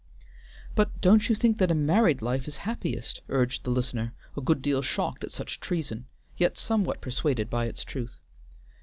"But don't you think that a married life is happiest?" urged the listener, a good deal shocked at such treason, yet somewhat persuaded by its truth.